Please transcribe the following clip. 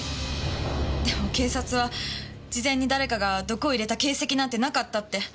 でも警察は事前に誰かが毒を入れた形跡なんてなかったって。